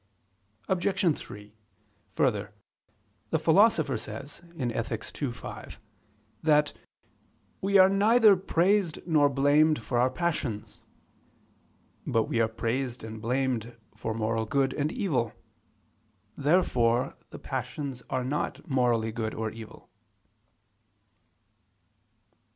Obj. 3: Further, the Philosopher says (Ethic. ii, 5) that "we are neither praised nor blamed for our passions." But we are praised and blamed for moral good and evil. Therefore the passions are not morally good or evil.